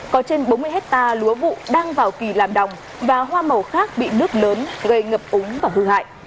có trên bốn mươi hectare lúa vụ đang vào kỳ làm đồng và hoa màu khác bị nước lớn gây ngập úng và hư hại